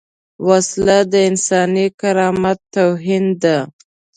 وسله د انساني کرامت توهین ده